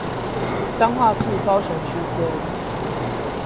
彰化至高雄區間